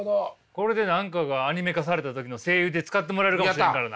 これで何かがアニメ化された時の声優で使ってもらえるかもしれんからな。